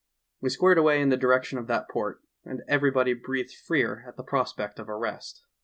We squared away in the direction of that port, and everybody breathed freer at the prospect of a rest.